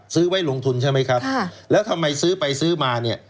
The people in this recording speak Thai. ซื้อไว้ลงทุนใช่ไหมครับแล้วทำไมซื้อไปซื้อมาเนี่ย